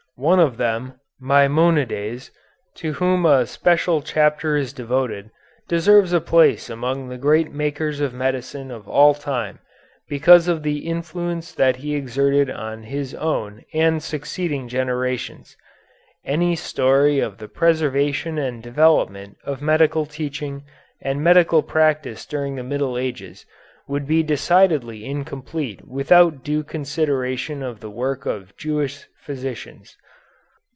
One of them, Maimonides, to whom a special chapter is devoted, deserves a place among the great makers of medicine of all time, because of the influence that he exerted on his own and succeeding generations. Any story of the preservation and development of medical teaching and medical practice during the Middle Ages would be decidedly incomplete without due consideration of the work of Jewish physicians.